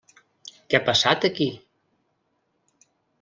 Què ha passat aquí?